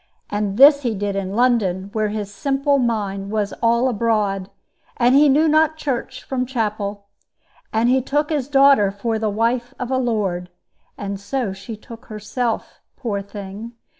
And this he did in London, where his simple mind was all abroad, and he knew not church from chapel. He took his daughter for the wife of a lord, and so she took herself, poor thing!